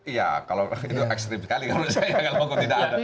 iya itu ekstrim sekali kalau saya nganggap hukum tidak ada